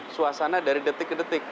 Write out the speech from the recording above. suasana dari detik ke detik